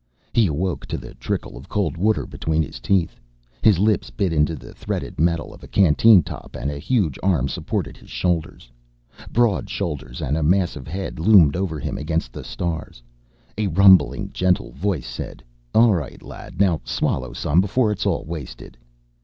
He awoke to the trickle of cold water between his teeth. His lips bit into the threaded metal of a canteen top, and a huge arm supported his shoulders. Broad shoulders and a massive head loomed over him against the stars. A rumbling, gentle voice said: "All right, lad, now swallow some before it's all wasted."